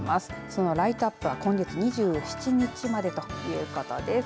そのライトアップは今月２７日までということです。